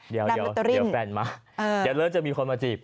เดี๋ยวแฟนมาเดี๋ยวเริ่มจะมีคนมาจีบ